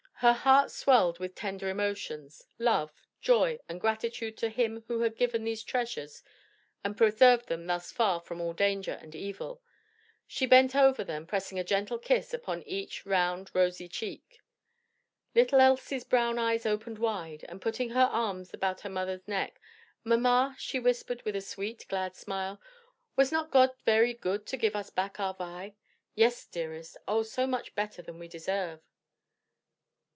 Her heart swelled with tender emotions, love, joy and gratitude to Him who had given these treasures and preserved them thus far from all danger and evil. She bent over them pressing a gentle kiss upon each round rosy cheek. Little Elsie's brown eyes opened wide, and putting her arm about her mother's neck, "Mamma," she whispered, with a sweet, glad smile, "was not God very good to give us back our Vi?" "Yes, dearest, oh, so much better than we deserve!"